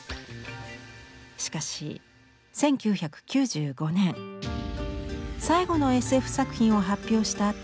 しかし１９９５年最後のＳＦ作品を発表した